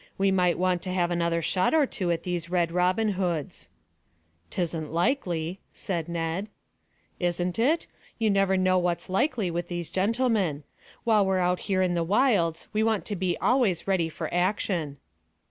We might want to have another shot or two at these red Robin Hoods." "'Tisn't likely," said Ned. "Isn't it? You never know what's likely with those gentlemen. While we're out here in the wilds we want to be always ready for action."